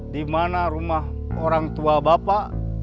dimana rumah orang tua bapak